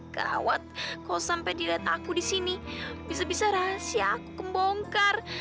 gawat kau sampai dilihat aku disini bisa bisa rahasia aku kembongkar